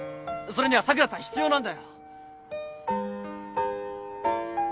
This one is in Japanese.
それには桜さん必要なんだよ。